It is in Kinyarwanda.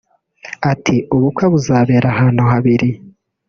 Ati “Ubukwe buzabera ahantu habiri